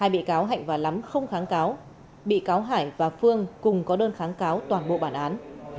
hai bị cáo hạnh và lắm không kháng cáo bị cáo hải và phương cùng có đơn kháng cáo toàn bộ bản án